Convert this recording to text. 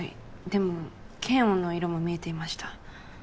でも「嫌悪」の色も見えていました。